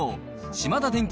島田電機